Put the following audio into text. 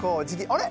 あれ？